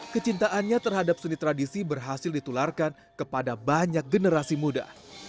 kecintaannya terhadap seni tradisi berhasil ditularkan kepada banyak generasi muda